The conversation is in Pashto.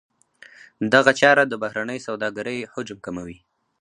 دغه چاره د بهرنۍ سوداګرۍ حجم کموي.